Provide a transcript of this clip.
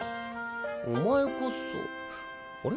お前こそあれ？